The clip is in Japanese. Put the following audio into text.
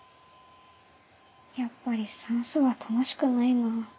やっぱり算数は楽しくないな。